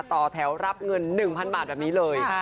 ต่อแถวรับเงิน๑๐๐๐บาทแบบนี้เลย